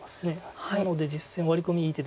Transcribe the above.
なので実戦ワリコミいい手でした。